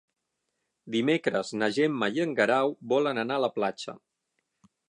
Dimecres na Gemma i en Guerau volen anar a la platja.